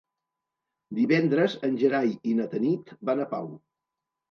Divendres en Gerai i na Tanit van a Pau.